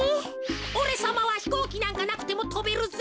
おれさまはひこうきなんかなくてもとべるぜ。